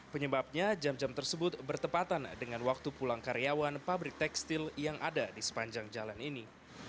penyebabnya jam jam tersebut bertepatan dengan waktu pulang karyawan pabrik tekstil yang ada di sepanjang jalan ini